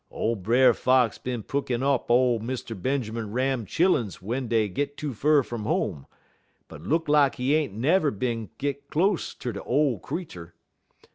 "Ole Brer Fox bin pickin' up ole Mr. Benjermun Ram chilluns w'en dey git too fur fum home, but look lak he ain't never bin git close ter de ole creetur.